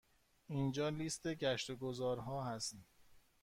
اینجا لیست گشت و گذار ها است.